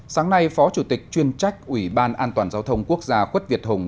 sáng nay phó chủ tịch chuyên trách ủy ban an toàn giao thông quốc gia quất việt hùng